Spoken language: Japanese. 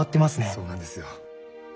そうなんですよ。